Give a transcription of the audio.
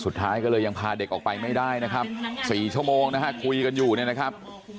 สุดท้ายก็เลยยังพาเด็กออกไปไม่ได้นะครับ๔ชั่วโมงนะฮะคุยกันอยู่เนี่ยนะครับ